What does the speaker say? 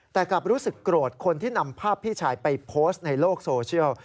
แต่กลับรู้สึกโกรธคนที่นำภาพพี่ชายไปโพสต์ในโลกโซเชียล